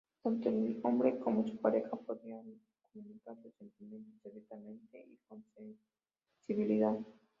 Tanto el hombre como su pareja podrían comunicar sus sentimientos abiertamente y con sensibilidad.